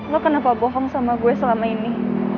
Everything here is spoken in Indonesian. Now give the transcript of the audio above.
lo kenapa bohong sama gue selama ini